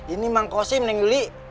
ini mang kosim neng yuli